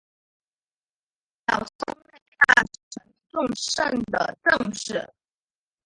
小松内大臣平重盛的正室。